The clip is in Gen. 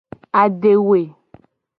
Adewe.